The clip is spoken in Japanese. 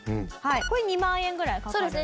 これ２万円ぐらいかかるんですね？